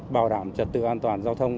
bảo đảm trật tự an toàn giao thông